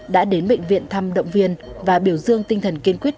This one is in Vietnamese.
đã đến bệnh viện thăm động viên và biểu dương tinh thần kiên quyết